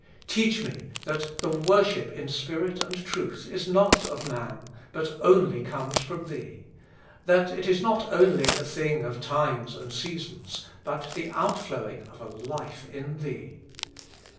Teach me that the worship in spirit and truth is not of man, but only comes from Thee ; that it is not only a thing of times and seasons, but the outflowing of a life in Thee.